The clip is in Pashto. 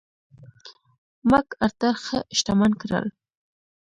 مک ارتر ښه شتمن کړل.